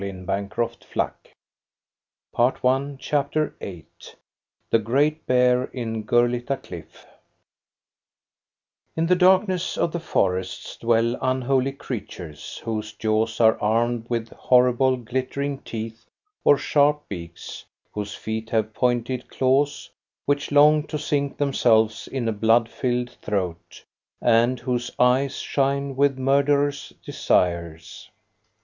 122 THE STORY OF GOSTA BERUNG CHAPTER VIII THE GREAT BEAR IN GURLITTA CLIFF In the darkness of the forests dwell unholy creat ures, whose jaws are armed with horrible, glittering teeth or sharp beaks, whose feet have pointed claws, which long to sink themselves in a blood filled throat, and whose eyes shine with murderous desires.